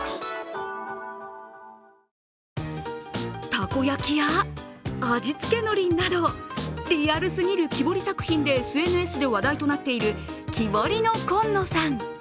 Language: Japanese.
たこ焼きや、味付けのりなどリアルすぎる木彫り作品でＳＮＳで話題となっているキボリノコンノさん。